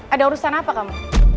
ada urusan apa kamu